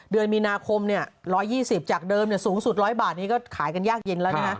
เดือนมีนาคม๑๒๐จากเดิมสูงสุด๑๐๐บาทนี้ก็ขายกันยากเย็นแล้วนะฮะ